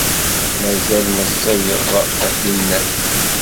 Mazal meẓẓiyeḍ a tinnat.